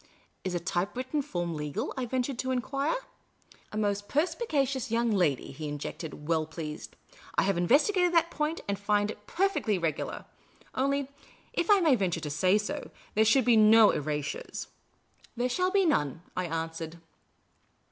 " Is a typewritten form legal ?" I ventured to enquire. A most perspicacious young lady !" he interjected, well pleased. " I have investigated that point, and find it per fectly regular. Only, if I may venture to say so, there should be no erasures. ''" There .shall be none," I answered.